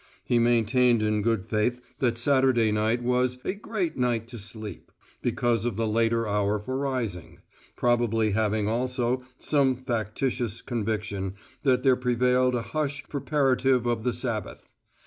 He maintained in good faith that Saturday night was "a great night to sleep," because of the later hour for rising; probably having also some factitious conviction that there prevailed a hush preparative of the Sabbath.